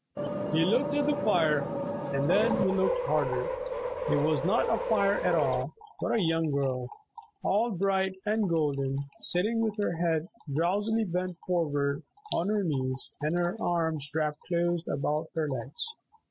He looked at the fire. And then he looked harder. It was not a fire at all, but a young girl, all bright and golden, sitting with her head drowsily bent forward on her knees and her arms wrapped close about her legs.